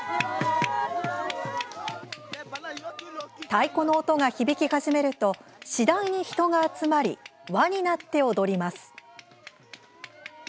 太鼓の音が響き始めると次第に人が集まり輪になって踊ります。